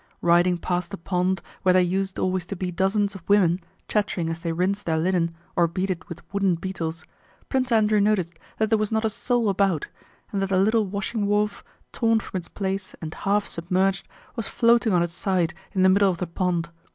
Riding past the pond where there used always to be dozens of women chattering as they rinsed their linen or beat it with wooden beetles, Prince Andrew noticed that there was not a soul about and that the little washing wharf, torn from its place and half submerged, was floating on its side in the middle of the pond.